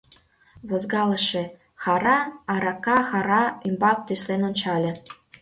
Возгалыше-хӓрра арака-хӓрра ӱмбак тӱслен ончале.